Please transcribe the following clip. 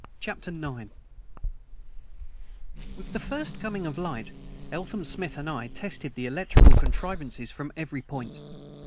CHAPTER IX WITH the first coming of light, Eltham, Smith and I tested the electrical contrivances from every point.